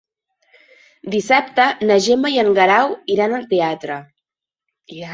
Dissabte na Gemma i en Guerau iran al teatre.